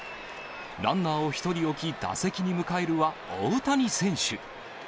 ランナーを１人置き、打席に迎えるは、大谷選手。